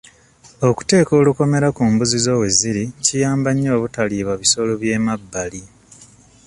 Okuteeka olukomera ku mbuzi zo we ziri kiyamba nnyo obutaliibwa bisolo by'emabbali.